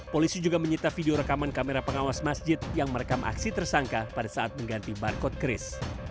polisi juga menyita video rekaman kamera pengawas masjid yang merekam aksi tersangka pada saat mengganti barcode cris